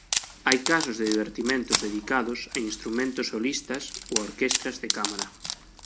Hai casos de divertimentos dedicados a instrumentos solistas ou a orquestras de cámara.